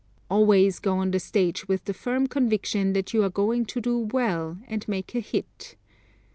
Always go on the stage with the firm conviction that you are going to do well and make a hit.